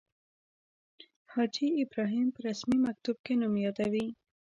حاجي ابراهیم په رسمي مکتوب کې نوم یادوي.